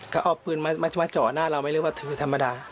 เขาเอาปืนมาเจาะหน้าเราไม่เรียกว่าถือธรรมดา